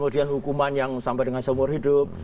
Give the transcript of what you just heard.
kemudian hukuman yang sampai dengan seumur hidup